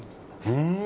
うん。